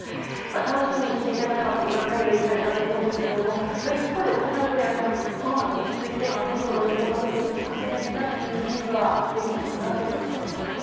楽しみにしていた方はがっかりされたと思うんですが一方で小栗さんコロナも落ち着いてそろそろ旅行などに出かけたいなという機運がすごく大きくなっているということですかね。